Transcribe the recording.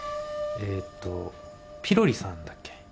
えっとピロリさんだっけ？